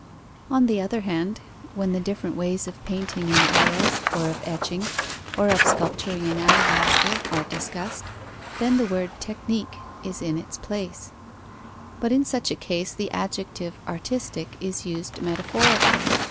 On the other hand, when the different ways of painting in oils, or of etching, or of sculpturing in alabaster, are discussed, then the word "technique" is in its place; but in such a case the adjective "artistic" is used metaphorically.